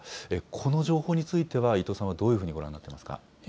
この情報については、伊藤さんはどういうふうにご覧になっていますか。